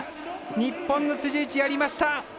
日本の辻内やりました！